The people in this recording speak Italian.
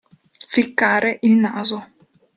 Ficcare il naso.